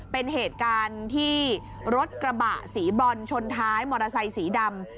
เป็นเหตุการณ์ที่รถกระบะสีบรอนชนท้ายมอเตอร์ไซค์สีดำ